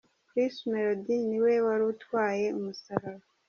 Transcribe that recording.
Bruce Melody ni we wari utwaye umusaraba.